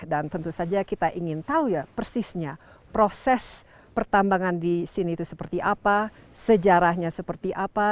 tentu saja kita ingin tahu ya persisnya proses pertambangan di sini itu seperti apa sejarahnya seperti apa